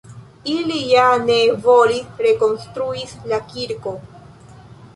Ili ja ne volis rekonstruis la kirkon.